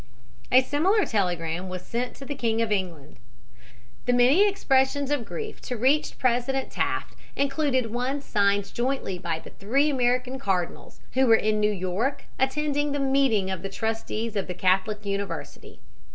A similar telegram was sent to the King of England. The many expressions of grief to reach President Taft included one signed jointly by the three American Cardinals, who were in New York attending the meeting of the trustees of the Catholic University.